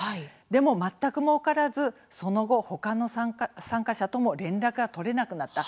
でも、全くもうからずその後、他の参加者とも連絡が取れなくなった。